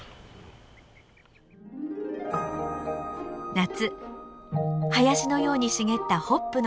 夏林のように茂ったホップの畑。